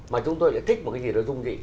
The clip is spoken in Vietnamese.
mà chúng tôi lại thích một cái gì đó rung rỉ